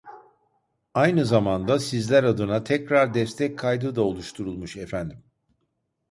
Aynı zamanda sizler adına tekrar destek kaydı da oluşturulmuş efendim